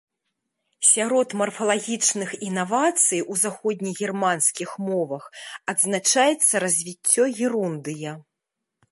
Сярод марфалагічных інавацый у заходнегерманскіх мовах адзначаецца развіццё герундыя.